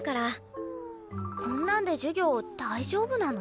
こんなんで授業大丈夫なの？